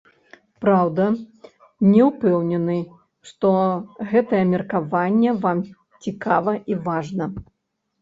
Праўда, не ўпэўнены, што гэтае меркаванне вам цікава і важна.